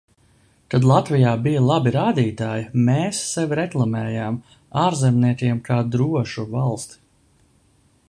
Kad Latvijā bija labi rādītāji, mēs sevi reklamējām ārzemniekiem kā drošu valsti.